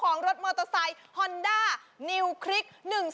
ของรถมอเตอร์ไซค์ฮอนดานิวคลิก